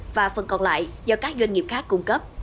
và phần còn lại do các doanh nghiệp khác cung cấp